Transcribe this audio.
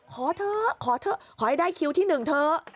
ขอเถอะขอให้ได้คิวที่๑เถอะ